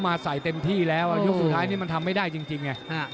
มาส่ายเต็มที่แล้วอ่ะโยกสุดท้ายนี้มันทำไม่ได้จริงจริงไง